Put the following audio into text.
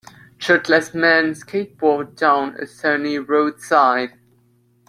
Shirtless man skateboards down a sunny roadside